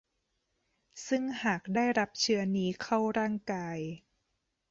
ซึ่งหากได้รับเชื้อนี้เข้าร่างกาย